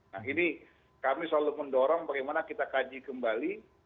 nah ini kami selalu mendorong bagaimana kita kaji kembali